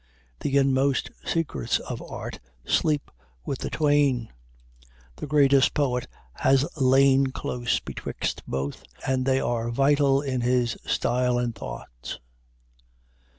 The inmost secrets of art sleep with the twain. The greatest poet has lain close betwixt both, and they are vital in his style and thoughts.